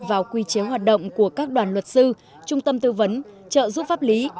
vào quy chế hoạt động của các đoàn luật sư trung tâm tư vấn trợ giúp pháp lý